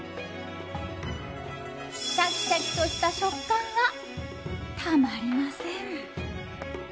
シャキシャキとした食感がたまりません。